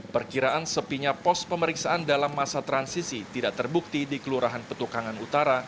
perkiraan sepinya pos pemeriksaan dalam masa transisi tidak terbukti di kelurahan petukangan utara